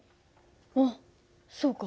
あっそうか。